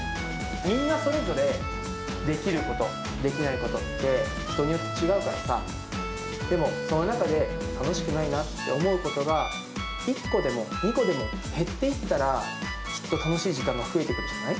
みんなそれぞれできること、できないことって人によって違うからさ、でもその中で楽しくないなって思うことが、１個でも２個でも減っていったら、きっと楽しい時間が増えてくるんじゃない？